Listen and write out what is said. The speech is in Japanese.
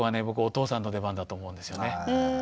僕お父さんの出番だと思うんですよね。